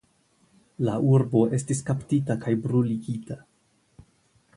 La urbo estis kaptita kaj bruligita.